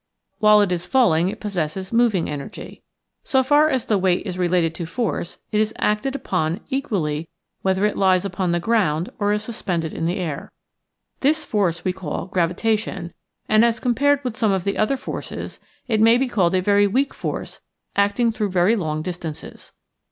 While it is falling it pos sesses Moving Energy. So far as the weight is related to force it is acted upon equally whether it lies upon the ground or is sus pended in the air. This force we call Gravi tation, and, as compared with some of the other forces, it may be called a very weak force acting through very long distances.